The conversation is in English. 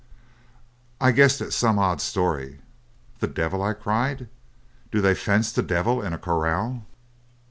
"I guessed at some odd story. 'The devil?' I cried, 'Do they fence the devil in a corral?'